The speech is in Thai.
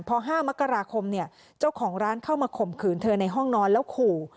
พอ๕มกราคมเจ้าของร้านเข้ามาข่มขืนเธอในห้องนอนแล้วขู่